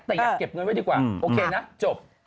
แต่อยากเก็บเงินไว้ดีกว่าโอเคนะจบ